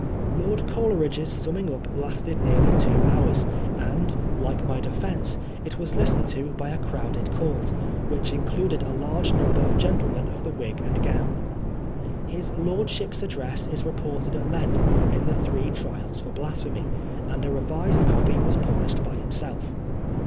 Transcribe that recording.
Lord Coleridge's snmming np lasted nearly two hours, and, like my defence, it was listened to by a crowded court, which included a large number of gen tlemen of the wig and gown. His lordship's address is reported at length in the ^^ Three Trials for Blas phemy,'' and a revised copy was published by himself.